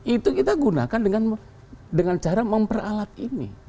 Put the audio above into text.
itu kita gunakan dengan cara memperalat ini